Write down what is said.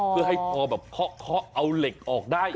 คือพอเขาเอาเหล็กออกได้เหรอ